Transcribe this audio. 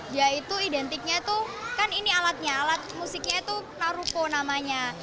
dia itu identiknya tuh kan ini alatnya alat musiknya itu naruko namanya